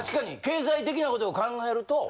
経済的な事を考えると。